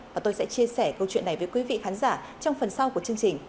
và tôi sẽ chia sẻ câu chuyện này với quý vị khán giả trong phần sau của chương trình